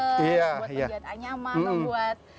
buat pejajaran nyaman buat